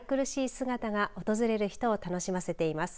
姿が訪れる人を楽しませています。